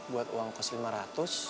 pakai yang mana ya